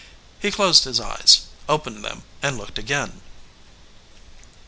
He closed his eyes, opened them and looked again.